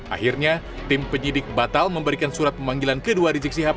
akhirnya tim penyidik batal memberikan surat pemanggilan kedua rizik sihab